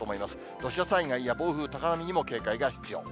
土砂災害や暴風、高波にも警戒が必要。